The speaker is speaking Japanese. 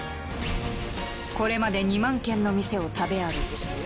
これまで２万軒の店を食べ歩き